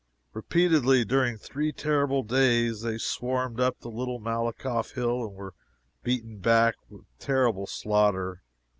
Repeatedly, during three terrible days, they swarmed up the little Malakoff hill, and were beaten back with terrible slaughter.